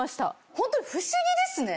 ホントに不思議ですね！